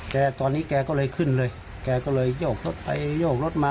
แกตอนนี้แกก็เลยขึ้นเลยแกก็เลยโยกรถไปโยกรถมา